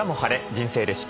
人生レシピ」。